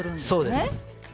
そうです。